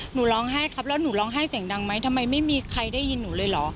หนูร้องไห้ครับแล้วหนูร้องไห้เสียงดังไหมทำไมไม่มีใครได้ยินหนูเลยเหรอ